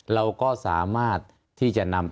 เราก็สามารถที่จะนำ